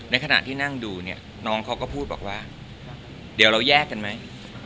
ในขณะที่นั่งดูเนี่ยน้องเขาก็พูดบอกว่าเดี๋ยวเราแยกกันไหม